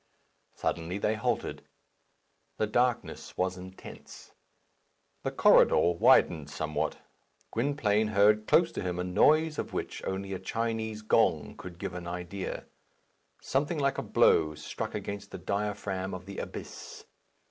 Suddenly they halted. The darkness was intense. The corridor widened somewhat. Gwynplaine heard close to him a noise of which only a Chinese gong could give an idea; something like a blow struck against the diaphragm of the abyss.